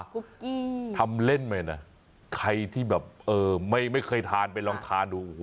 คุกกี้ทำเล่นไปน่ะใครที่แบบเออไม่ไม่เคยทานไปลองทาน